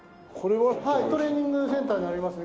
はいトレーニングセンターになります。